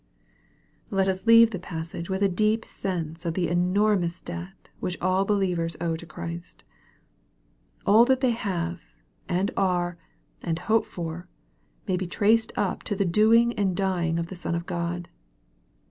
Let us leave the passage with a deep sense of the enormous debt which all believers owe to Christ. All that they have, and are, and hope for, may be traced up to the doing and dying of the Son of God.